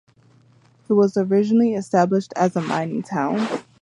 It was originally established as a mining town.